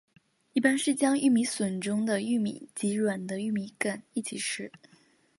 一般是将玉米笋中的玉米及软的玉米秆一起吃。